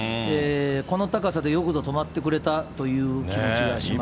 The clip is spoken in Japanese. この高さでよくぞ止まってくれたという気持ちがします。